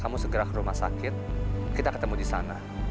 kamu segera ke rumah sakit kita ketemu di sana